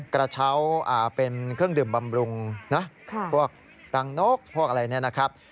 กระเช้าเป็นเครื่องดื่มบำรุงนะพวกรังนกพวกอะไรเนี่ยนะครับ